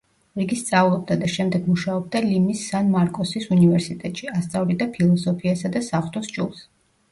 იგი სწავლობდა და შემდეგ მუშაობდა ლიმის სან–მარკოსის უნივერსიტეტში, ასწავლიდა ფილოსოფიასა და საღვთო სჯულს.